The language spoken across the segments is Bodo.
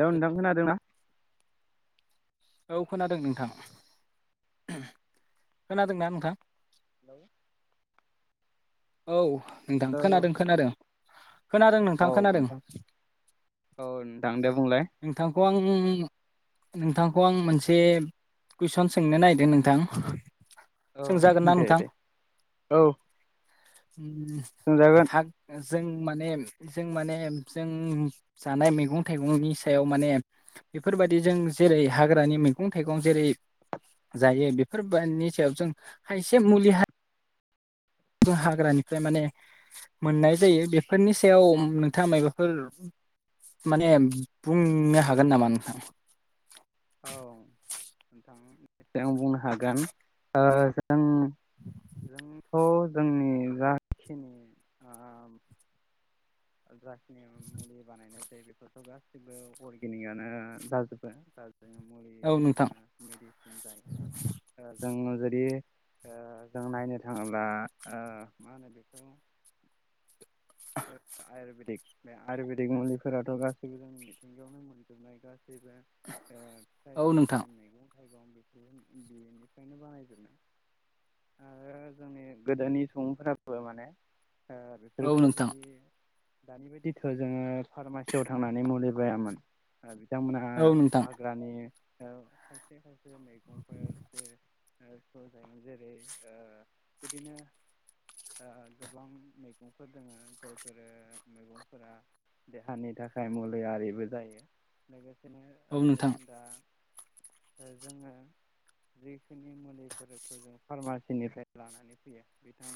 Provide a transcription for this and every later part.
लौ नोंथां खोनादोंना? औ खोनादों नोंथां। खोनादोंना नोंथां? हेलौ औ नोंथां खोनादों खोनादों। खोनादों नोंथां खोनादों औ नोंथां दे बुंलाय नोंथांखौ आं नोंथांखौ आं मोनसे कुइसन सोंनो नागिरदों नोंथां? औ सोंजागोन ना दे दे औ। उम सोंजागोन हाग [unintelligible] जों माने जों माने जों जानाय मेगं थाइगंनि सायाव माने बेफोरबायदि जों जेरै हाग्रानि मैगं थाइगं जेरै जायो बेफोरबनि सायाव जों खायसे मुलि हा हाग्रानिफ्राय माने मोननाय जायो। बेफोरनि सायाव नोंथाङा मबाफोर माने बुंनो हागोन नामा नोंथां? दे आं बुंनो हागोन। आं थ' जोंनि जाखिनि आ जाख [inaudible] नायसाय बेखोथ' गासिबो अरगेनिकआनो जाजोबाय जा [unintelligible] औ नोंथां जुदि जों नायनो थाङोब्ला ओ मा होनो बेखौ। आयुरबेदिक। बे आयुरवेदिक मुलिफोराथ गासैबो जोंनि मिथिंगायावनो मोनजोबनाय गासैबो। बो ओ फिथाय औ नोंथां सामथाय मैगं गं बेखौ बेनिफ्रायनो बानायजोबनाय आरो जोंनि गोदोनि सुबुंफोराबो माने। औ ओफोरखो नोंथां दानि बायदिथ जोङो फारमासियाव थांनानै मुलि बायामोन आरो। थांमोना औ नोंथां हाग्रानि। ओ खायसे खायसे मैगंफोर जाय जेरै ओ बिदिनो ओ गोबां मैगंफोर दङ जाय। ओ मैगंफोरा मैगंफोरा देहानि थाखाय मुलियारिबो जायो लोगोसे। औ ओ जों नोंथां दा जोङो जखिनि मुलिफोरखौ जों फार्मासिनिफ्राय लानानै फैयो बिथां।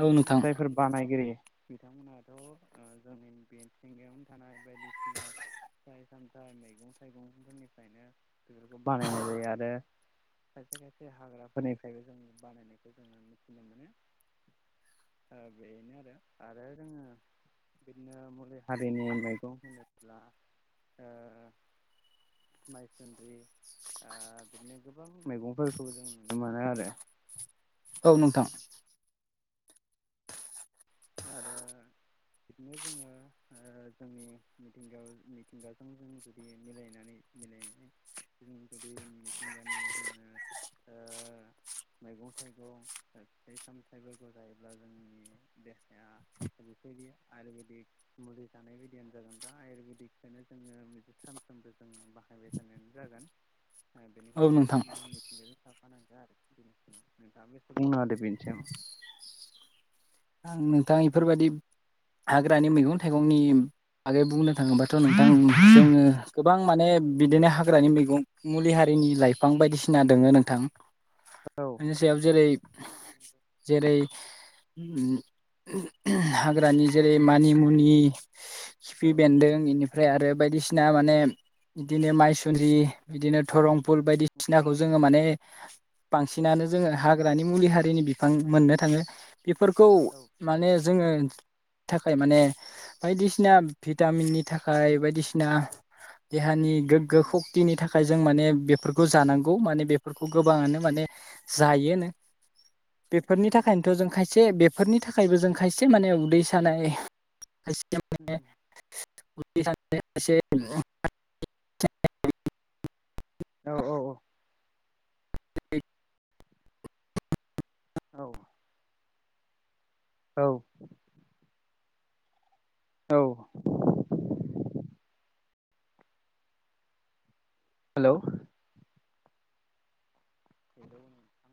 औ बिथांमोन नोंथां जायफोर बानायगिरि बिथांमोनाथ जोंनि बेन्थिंगायावनो थानाय बायदिसिना फिथाइ सामथ मैगं थाइगंफोरनिफ्रायनो बेफोरखौ बानायनाय जायो आरो खायसे खायसे हाग्राफोरनिफ्रायबो जों बानायनायखौ जोङो मिथिनो मोनो ओ बेनो आरो। आरो जोङो बिदिनो मुलि हारिनि मैगं होनोब्ला ओ माइसुन्द्रि ओ बिदिनो गोबां मैगंफोरखौ जों नुनो मोनो आरो। औ नोंथां आरो बिदिनो जोङो ओ जोंनि मिथिंगा मिथिंगाजों जों जुदि मिलायनानै मिलाय जों जुदि मिथिंगानि जोङो मैगं थाइगं फिथाइ सामथायाइफोरखौ जायोब्ला जोंनि बे। बेफोरदि आयुरवेदिक मुलि जानाय बायदियानो जागोन बा आयुरवेदिकखौनो जोङो बिदि सानफ्रामबो जों बाहायबाय थानायानो जागोन। हा औ बेनिखाान जों नोंथां माने मथिंग थाफानांगो आरो बेनो उम नोंथाङाबो एसे बुंना होदो‌ बेनि सायाव आं नोंथां इफोरबायदि हाग्रानि मैगं थाइगंनि बागै बुंनो। थाङोबाथ नोंथां जोङो गोबां माने बिदिनो हाग्रानि मैगं। मुलि हारिनि लाइफां बायदिसिना दोङो नोंथां। औ बिनि सायाव जेरै। जेरै उम हाग्रानि जेरै मानिमुनि, खिफि औ औ बेन्दों इनिफ्राय आरो बायदिसिना माने इदिनो माइसु सुन्द्रि एकदम बिदिनो धरंफुल बायदिस नाखौ जोङो माने बांसिनानो जोङो हाग्रानि मुलि हारिनि बिफां मोननो थाङो। बेफोरखौ औ औ माने जोङो थाखाय माने बायदिसिना भिटामिननि थाखाय बायदिसिना देहानि गोग्गो खक्तिनि थाखाय ज जों माने बेफोरखौ जानांगौ माने बेफोरखौ गोबाङानो माने जायोनो बेफोरनि थाखायनोथ' जों खायस बेफोरनि थाखायबो जों खायसे माने उदै सानाय [unintelligible] [unintelligible] औ औ औ। औ। औ। औ। हेलौ हेलौ नोंथां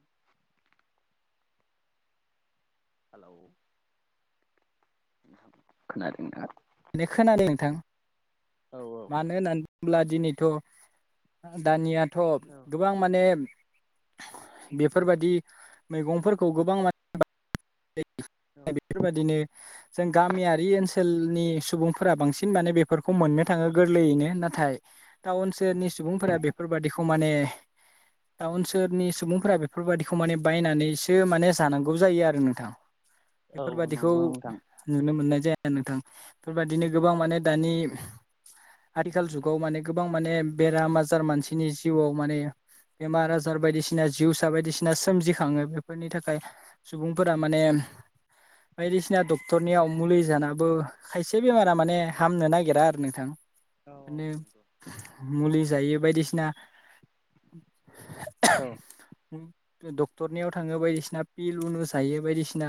औ। खोनादों नोंथाङा? ने खोनादों नोंथां? औ मानो होननानै बुङोब्ला दिनै थ' दानिया थ' गोबां माने [inaudible] बेफोरबादि मैगंफोरखौ गोबां [unintelligible] [unintelligible] बेफोरबायदिनो जों गामियारि ओनसोलनि सुबुंफोरा बांसिन माने बेफोरखौ मोननो थाङो गोरलैयैनो। नाथाय टाउन औ सोहोरनि सुबुंफोरा बेफोरबादिख खौ माने टाउन सोहोरनि सुबुंफोरा बेफोरबायदिखौ माने बायनानैसो माने जानांगौ जायो आरो नों थां। औ बेफोरबादिखौ नंगौ नोंथां नुनो मोननाय जाया। ओ नोंथां। बेफोरबादिनो औ गोबां माने दानि आथिखाल जुगाव माने गोबां माने बेराम आजार मानसिनि जिउआव माने बेमार आजार औ बायदिसिना जिउस सा बायदिसिना सोमजिखाङो बेफोरनि थाखाय सुबुं फोरा माने बायदिसिना डक्टरनियाव मुलि जानाबो खायसे बेमारा माने हामनो नागिरा आरो नोंथां। औ [unintelligible] नंगौ मुलि जायो बायदिसिना औ [inaudible] डक्टरनियाव थाङो बायदिसिना पिल उनुस जायो बायदिसिना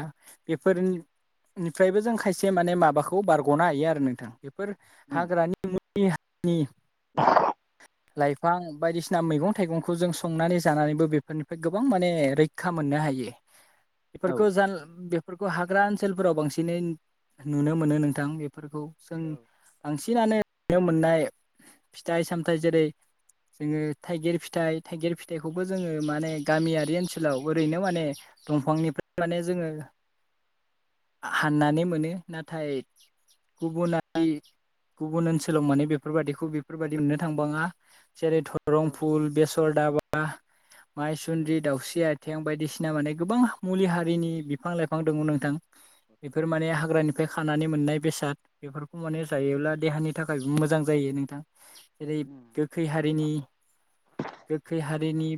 बेफोर नि फ्रायबो जों खायसे माने माबाखौ बारग'नो हायो आरो नोंथां। [unintelligible] फोर उम हाग्रानि [unintelligible] [unintelligible] [inaudible] लाइफां बायदिसिना मैगं थाइगंखौ जों संनानै जानानैबो बेफोरनिफ्राय गोबां माने रैखा मोननो हायो औ बेफोरखौ जान बेफोर हाग्रा ओनसोलफोराव बांसिनै नुनो मोनो नोंथां बेफोरखौ। जों बांसिनानो मोननाय फिथाइ सामथाइ जेरै जोङो थाइगिर फिथाइ थाइगिर फिथाइखौबो जोङो माने गामियारि ओनसोलाव ओरैनो माने दंफांनि माने जोङो हाननानै मोनो नाथाय गुबुआरि गुबुन ओनसोलाव माने बेफोरबादिखौ बेफोरबादि मोननो थांबाङा जेरै धरं फुल बेसर दाबा [unintelligible] माइ सुन्द्रि दावउस्रि आइथें बायदिसिना [unintelligible] माने गोबां मुलि हारिनि बिफां लाइफां दङ नोंथां बेफोर माने हाग्रानिफ्राय खानानै मोननाय बेसाद बेफोरखौ माने जायोब्ला देहानि थाखाय मोजां जायो नोंथां जेरै गोखै हारिनि गोखै हारिनि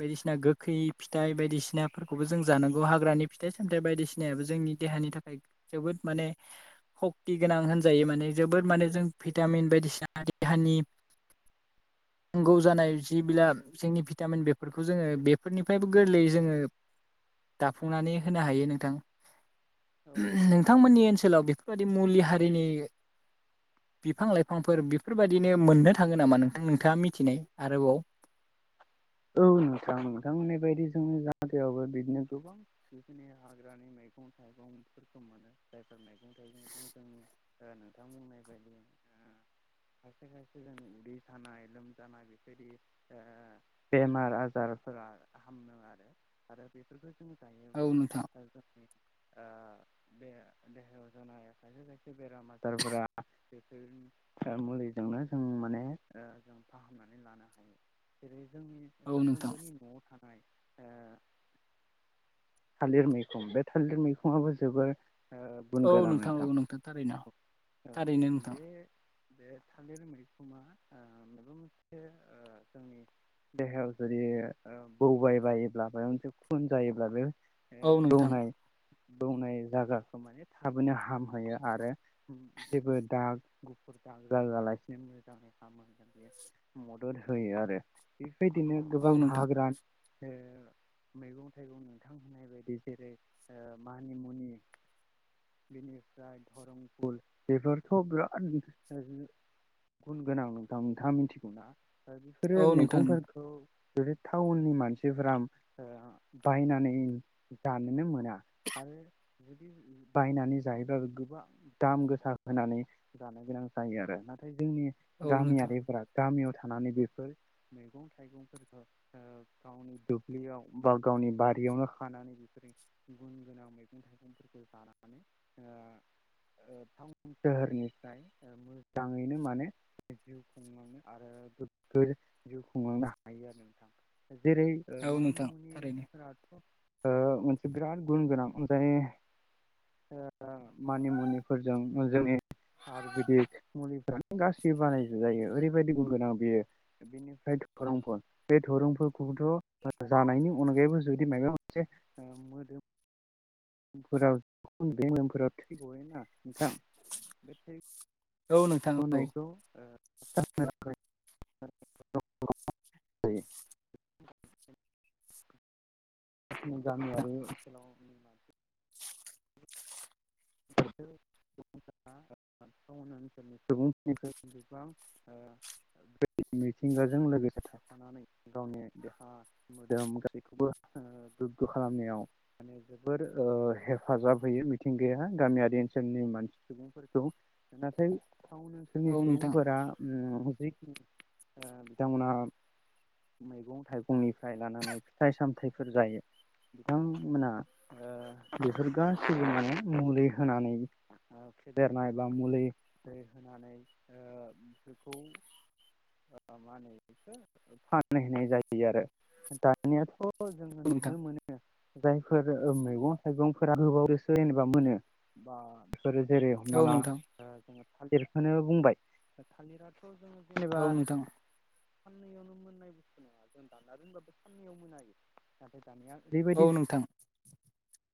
बायदिसिना गोखै फिथाइ बायदिसिनाफोरखौबो जों जानांगौ हाग्रानि फिथ सामथ बायदिसिाबो जोंनि देहानि थाखाय जोबोद माने सक्ति गोनां होनजायो मान जबो मान भिटामिन बायदिसिना देहानि नौ जानाय औ बिला जोंनि भितामिन [unintelligible] खौ जोङो बेफोरनिफ्रायबो गोरलैयै जोङो दाफुंनानै होनो हायो नोंथां औ औ [unintelligible] नोंथांमोननि ओनसोलाव बे बिबो बायदि मुलि हारिनि बिफां लाइफांफोर बिफोरबादिनो मोननो थाङो नामा नोंथां नोंथाङा मिथिनाय आरोबाव। औ नोंथां नोंथांमोनि बायदि जोंनि जथायावबो बिदिनो गोबां जिखिनि हाग्रानि मैगं थाइगंफोरखौ मोनो जायफोर मैगं थाइगं जोंनि नोंथांमोननाय बायदि खायसे खायसे जोंनि उदै सानाय लोमजानाय बेफोरदि बेमार आजारफोरा हामो आरो आरो बेफोरखो औ नोंथां [unintelligible] बे देहायाव जानाय खायसे खायसे बेराम आजारफोरा बेफोर मुलिजोंनो जों माने जों फाहामनानै लानो हायो जेरै जोंनि औ नोंथां साफ्रोमबोनि न'आव थानो थालिर मैखुन बे थालिर मैखुनाबो जोबोर ओ औ गुन गोनां नोंथां औ नोंथां थारैनो औ थारैनो नोंथां। बे बे थालिर मैखोनना माबा मोनसे जोंनि देहायाव जुदि बौबायबायोब्ला माबा मोनसे खुन जायोब्ला बे औ [inaudible] नोंथां बौनाय बौनाय जायगाखौ माने थाबैनो हामहोयो आरो जेबो दाग गुफुर दाग जाहोलासिनो मोजाङै हामहोयो बे मदद होयो आरो। बेदिनो गोबां औ नोंथां हा गोरान। मैगं थाइगं नोंथां होनाय बायदि जेरै मानि मुनि बेनिफ्राय धरम फुल बेफोरथ' बिराद गुन गोनां नोंथां नोंथाङा मिथिगौना। बेफोरो औ नोंथां मैगंफोरखौ जुदि टाउननि मानसिफ्रा बायनानै जानोनो मोना आरो जुदि बायनानै जायोब्लाो गोबां दाम गोसा होनानै जानो गोनां जायो आरो नाथाय जोंनि औ नोंथां गामियारिफोरा गामियाव थानानै बेफोर मैगं थाइगंफोरखौ गावनि दुब्लियाव बा गावनि बारियावनो खानानै बेफोरो गुन गोनां मैगं थाइगंफोरखौ जानानै टाउन सोहोरनिफ्राय मोजाङैनो माने जिउ खुंलांङो आरो। जिउ खुंलांनो हायो आरो नोंथां। जेरै औ मानि नोंथां थारैनो मुनिफोरा मोनसे बिराद गुन गोनां जाय मानि मुनिफोरजों जोंनि आयुरवेदिक मुलिफोरानो गासैबो बानाय जायो ओरैबायदि गुन गोनां बेयो। बेनिफ्राय धरंफोर बे धोरंफोरखौथ' जानायनि अनगायैबो जुदि माबा मोनसे मोदोम फोराव खुननि जायोब्ला बेफोराव थै गयोना नोंथां बे थै औ नोंथां औ गनायखौ ओं [unintelligible] गामियारि ओनसोलनि बागै ओनसोलनि सुबुंफोरनिफ्राय गोबां मिथिंगाजों लोगोसे थाफानानै गावनि देहा मोदोम गासैखौबो गोग्गो खालामनायाव माने जोबोर हेफाजाब होयो मिथिंगा। गामियारि ओनसोलनि मानसि सुबुंफोरखौ नाथाय टाउन ओनसोलनि औ नोंथां सुबुंफोरा बिथांमोनहा मैगं- थाइगंनिफ्राय लानानै फिथाइ -सामथायाइफोर जायो बिथांमोना बेफोर गाससिबो माने मुलि होनानै फेदेरनाय बा मुलि होनानै बेखौ मा होनो फानहैनाय जायो। आरो दानियाथ' जोङो औ नुनो नोंथां मोनो जाय मैगं थाइगंफोरा मोनो बा जेरै हमना औ ला नोंथां जोङो थालिरखौनो बुंबाय थालिरा औ नोंथां। साननैयावनो मोननाय बुस्थु नङा जों दान्ना दोनबाबो साननैयाव मोन बेयो। दानिआ औ बेबायदि नोंथां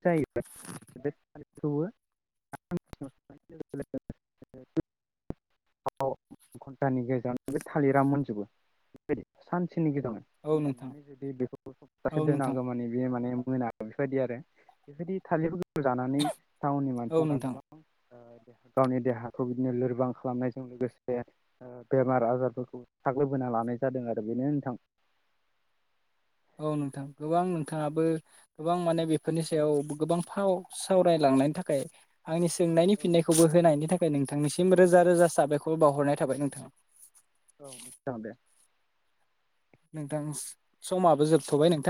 जायो [unintelligible] बै समनिगेजेरावनो औ नोंथां दाननानै जुदि बेखौ सप्तासे औ नोंथां दोनांगौ माने बे माने मोना बेबायदि आरो बेफोरदि थालिरबो जानानै टाउननि औ मानसिफोरा नोंथां गोबां गावनि देहाखौ बिदिनो लोरबां खालामनायजों लोगोसे बेमार आजारफोरखौ साग्लोबहोना लानाय जादों आरो बेनो नोंथां। औ नोंथां गोबां नोंथाङाबो गोबां माने बे फोरनि औ सायाव गोबां फाव सावरायलांनायनि थाखाय आंनि सोंनायनि फिननायखौबो होनायनि थाखाय नोंथांनिसिम रोजा रोजा साबायखर। खौ बावहरनाय थाबाय नोंथां औ जागोन दे। नोंथां समाबो जोबथ'बाय नोंथां